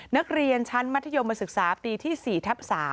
นักเรียนชั้นมัธยมศึกษาปีที่๔ทับ๓